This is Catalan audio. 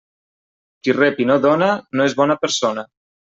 Qui rep i no dóna no és bona persona.